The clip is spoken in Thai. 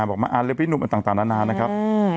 บอกมาอ่านเลยพี่หนุ่มต่างนานานะครับ